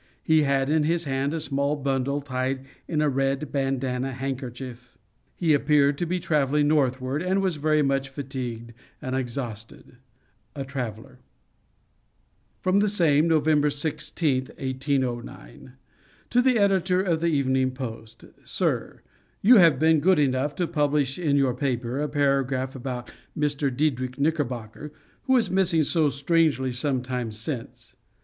He had in his hand a small bundle tied in a red bandana handkerchief: he appeared to be traveling northward, and was very much fatigued and exhausted. A TRAVELER. From the same, November 16, 1809. To the Editor of the "Evening Post." SIR, You have been good enough to publish in your paper a paragraph about Mr. Diedrich Knickerbocker, who was missing so strangely some time since.